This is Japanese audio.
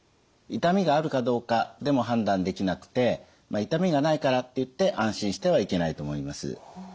痛みがあるかどうかでも判断できなくて痛みがないからっていって安心してはいけないと思います。